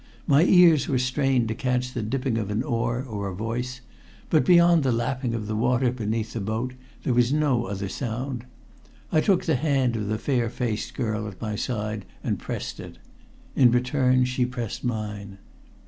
My ears were strained to catch the dipping of an oar or a voice, but beyond the lapping of the water beneath the boat there was no other sound. I took the hand of the fair faced girl at my side and pressed it. In return she pressed mine.